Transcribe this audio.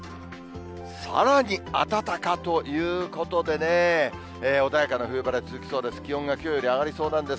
さらに暖かということでね、穏やかな冬晴れ、続きそうです。